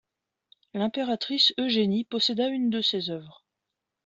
L'impératrice Eugénie posséda une de ses œuvres.